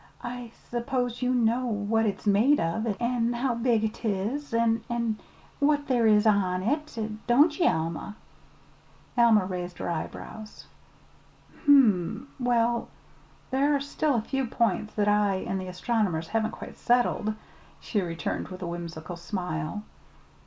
"I I s'pose you know what it's made of, an' how big 'tis, an' an' what there is on it, don't ye, Alma?" Alma raised her eyebrows. "Hm m; well, there are still a few points that I and the astronomers haven't quite settled," she returned, with a whimsical smile.